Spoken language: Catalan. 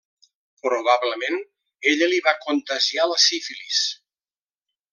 Probablement, ella li va contagiar la sífilis.